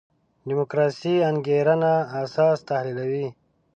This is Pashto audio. دیموکراسي انګېرنه اساس تحلیلوي.